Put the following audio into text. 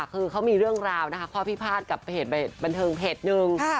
คือเขามีเรื่องราวครอบพี่พาดกับเผยบันเทิงเพจนึง